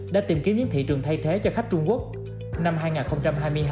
đã tìm kiếm những thị trường thay thế cho khách trung quốc